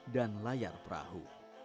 dan layar perahu